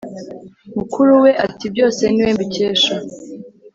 mukuruwe ati"byose niwe mbikesha